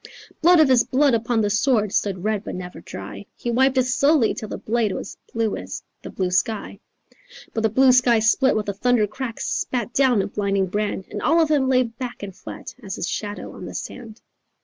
Blood of his blood upon the sword Stood red but never dry. He wiped it slowly, till the blade Was blue as the blue sky. But the blue sky split with a thunder crack, Spat down a blinding brand, And all of him lay back and flat As his shadow on the sand."